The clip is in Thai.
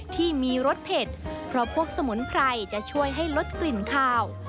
ที่มีรสเผ็ดเพราะพวกสมุนไพรจะช่วยให้ลดกลิ่นขาว